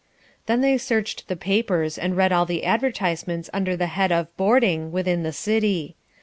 Then they searched the papers and read all the advertisements under the head of "Boarding" within the city.